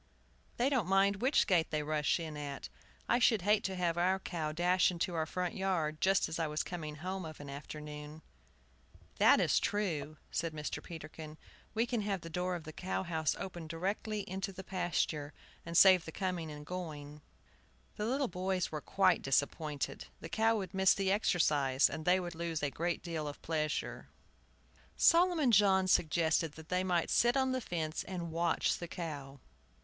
They don't mind which gate they rush in at. I should hate to have our cow dash into our front yard just as I was coming home of an afternoon." "That is true," said Mr. Peterkin; "we can have the door of the cow house open directly into the pasture, and save the coming and going." The little boys were quite disappointed. The cow would miss the exercise, and they would lose a great pleasure. Solomon John suggested that they might sit on the fence and watch the cow.